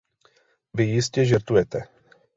Vy jistě žertujete.